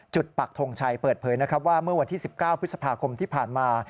ปักทงชัยเปิดเผยนะครับว่าเมื่อวันที่๑๙พฤษภาคมที่ผ่านมา